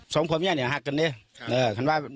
ดังนี้ได้เร็วมาก